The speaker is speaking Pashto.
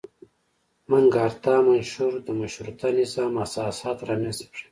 مګناکارتا منشور د مشروطه نظام اساسات رامنځته کړل.